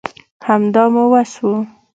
همدا مو وس وو